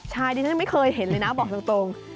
ใช่ดิฉันยังไม่เคยเห็นเลยนะบอกตรง